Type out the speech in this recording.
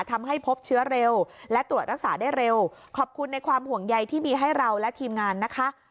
ทำให้พบเชื้อเร็วและตรวจรักษาได้เร็วขอบคุณในความห่วงใยที่มีให้เราและทีมงานนะคะ